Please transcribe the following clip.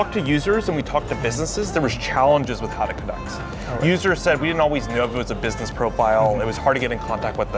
kedua sisi memiliki koneksi yang lebih penting